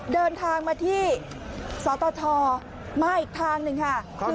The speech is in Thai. เดินทางมาที่ซาวต์ธอทอมาอีกทางหนึ่งค่ะ